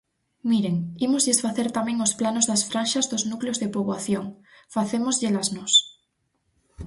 Miren: ímoslles facer tamén os planos das franxas dos núcleos de poboación; facémosllelas nós.